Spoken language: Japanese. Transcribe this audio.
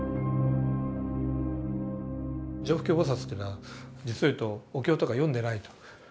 常不軽菩薩というのは実を言うとお経とか読んでないと。